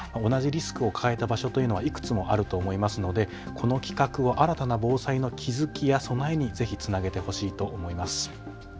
同じリスクを抱えた場所というのはいくつもあると思うのでこの企画を新たな防災の気付きや備えにつなげてほしいと思います。